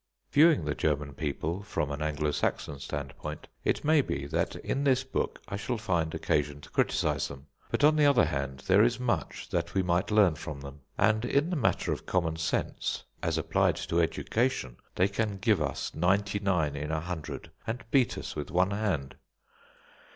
Viewing the German people from an Anglo Saxon standpoint, it may be that in this book I shall find occasion to criticise them: but on the other hand there is much that we might learn from them; and in the matter of common sense, as applied to education, they can give us ninety nine in a hundred and beat us with one hand.